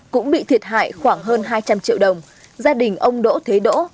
cũng bị thiệt hại khoảng hơn hai trăm linh triệu đồng gia đình ông đỗ thế đỗ